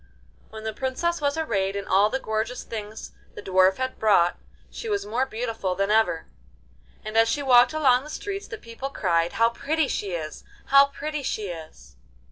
When the Princess was arrayed in all the gorgeous things the Dwarf had brought, she was more beautiful than ever, and as she walked along the streets the people cried: 'How pretty she is! How pretty she is!